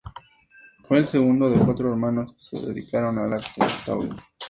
Fue el segundo de cuatro hermanos que se dedicaron al arte taurino.